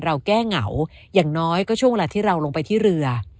เราแก้เหงาอย่างน้อยก็ช่วงเวลาที่เราลงไปที่เรือ